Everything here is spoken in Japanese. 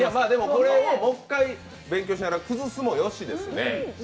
これをもう一回、勉強しながら崩すもよしで。